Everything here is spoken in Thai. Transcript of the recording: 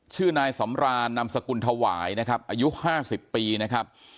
ชื่อนายสำรานนามสกุลถวายนะครับอายุ๕๐ปีนะครับ